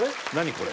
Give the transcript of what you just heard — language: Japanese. これ。